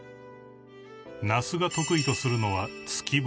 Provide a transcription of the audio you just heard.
［那須が得意とするのは］